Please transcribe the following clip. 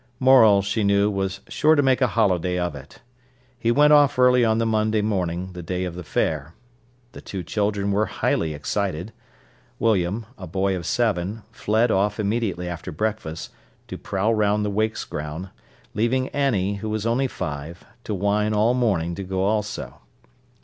Morel, she knew, was sure to make a holiday of it. He went off early on the Monday morning, the day of the fair. The two children were highly excited. William, a boy of seven, fled off immediately after breakfast, to prowl round the wakes ground, leaving Annie, who was only five, to whine all morning to go also.